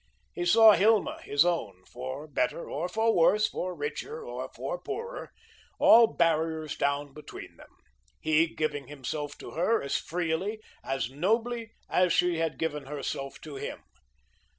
He saw Hilma, his own, for better or for worse, for richer or for poorer, all barriers down between them, he giving himself to her as freely, as nobly, as she had given herself to him.